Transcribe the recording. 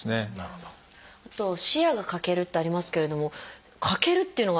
あと「視野が欠ける」ってありますけれども「欠ける」っていうのが。